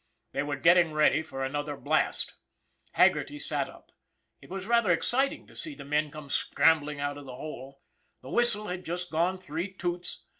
They were getting ready for another blast. Hag gerty sat up. It was rather exciting to see the men come scrambling out of the hole. The whistle had just gone three toots.